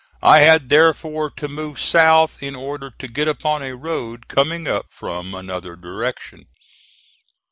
I had therefore to move south in order to get upon a road coming up from another direction.